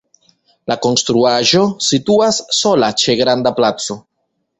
La konstruaĵo situas sola ĉe granda placo.